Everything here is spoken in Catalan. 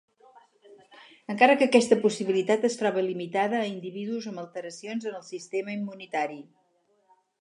Encara que aquesta possibilitat es troba limitada a individus amb alteracions en el sistema immunitari.